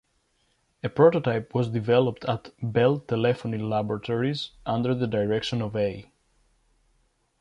A prototype was developed at Bell Telephone Laboratories, under the direction of A.